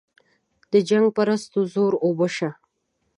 د جنګ پرستو زور اوبه شه.